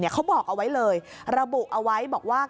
เขาบอกเอาไว้เลยระบุเอาไว้บอกว่า